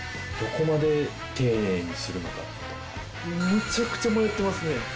むちゃくちゃ迷ってますね。